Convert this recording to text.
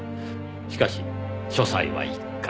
しかし書斎は１階。